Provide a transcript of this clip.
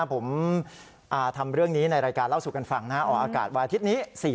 ผมทำเรื่องนี้ในรายการเล่าสู่กันฟังออกอากาศวันอาทิตย์นี้